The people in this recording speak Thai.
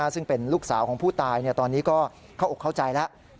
ซึ่งเป็นลูกสาวของผู้ตายตอนนี้ก็เข้าอกเข้าใจแล้ว